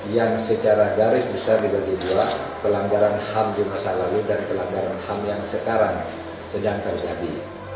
yang secara garis besar dibagi dua pelanggaran ham di masa lalu dan pelanggaran ham yang sekarang sedang terjadi